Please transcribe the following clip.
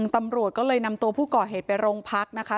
ตำรวจก็เลยนำตัวผู้ก่อเหตุไปโรงพักนะคะ